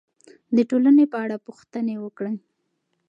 د ټولنې په اړه پوښتنې وکړئ.